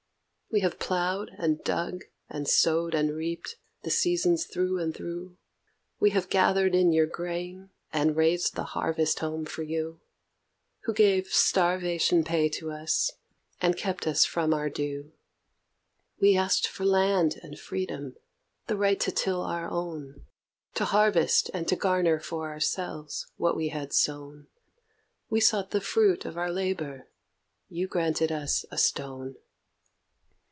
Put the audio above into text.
We have ploughed and dug and sowed and reaped the seasons through and through, We have gathered in your grain and raised the 'Harvest Home' for you, Who gave starvation pay to us and kept from us our due. We asked for land and freedom, the right to till our own; To harvest and to garner for ourselves, what we had sown; We sought the fruit of our labour; you granted us a stone.